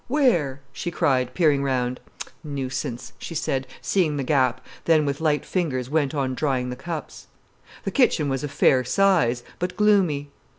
"Where?" she cried, peering round. "Nuisance," she said, seeing the gap, then with light fingers went on drying the cups. The kitchen was of fair size, but gloomy.